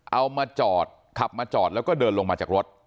เอามาจอดขับมาจอดแล้วก็เดินลงมาจากรถ